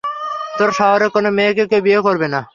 তোর শহরের কোন মেয়েকে কেউ বিয়ে করবে না!